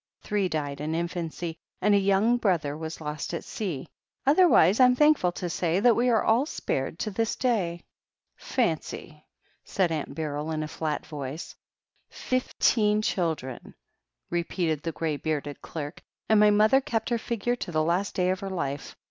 Three died in in fancy, and a young brother was lost at sea. Other wise Fm thankful to say that we are all spared to this day." Fancy !" said Aunt Beryl in a flat voice. Fifteen children," repeated the grey bearded clerk, and my mother kept her figure to the last day of her life.